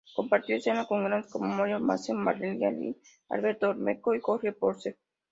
Compartió escena con grandes como Moria Casán, Valeria Lynch, Alberto Olmedo y Jorge Porcel.